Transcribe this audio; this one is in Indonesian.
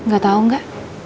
gak tau gak